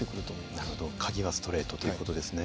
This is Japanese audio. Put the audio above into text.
なるほど鍵はストレートという事ですね。